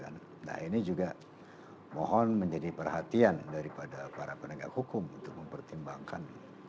nah ini juga mohon menjadi perhatian daripada para penegak hukum untuk mempertimbangkan